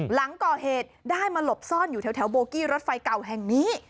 หลังก่อเหตุได้มาหลบซ่อนอยู่แถวโบกี้รถไฟเก่าแห่งนี้